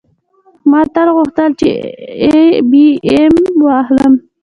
ما تل غوښتل چې آی بي ایم واخلم